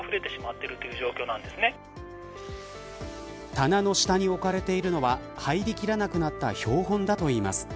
棚の下に置かれているのは入りきらなくなった標本だといいます。